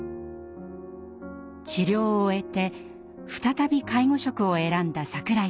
治療を終えて再び介護職を選んだ櫻井さん。